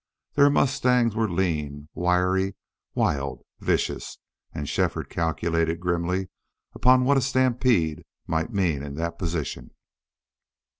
Their mustangs were lean, wiry, wild, vicious, and Shefford calculated grimly upon what a stampede might mean in that position.